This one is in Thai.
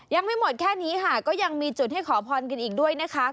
ยังไม่หมดแค่นี้ค่ะก็ยังมีจุดให้ขอพรกันอีกด้วยนะคะ